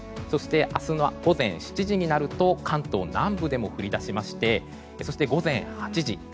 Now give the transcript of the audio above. そして、明日の午前７時になると関東南部でも降り出しましてそして午前８時。